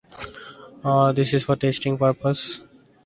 None of the population or families are below the poverty line.